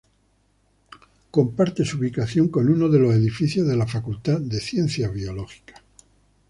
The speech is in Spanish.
Comparte su ubicación con uno de los edificios de la Facultad de Ciencias Biológicas.